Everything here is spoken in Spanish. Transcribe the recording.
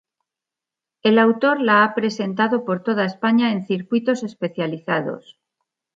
El autor la ha presentado por toda España en circuitos especializados.